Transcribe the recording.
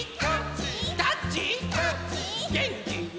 げんきに！